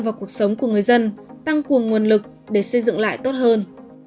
vào cuộc sống của người dân tăng cuồng nguồn lực để xây dựng lại tốt hơn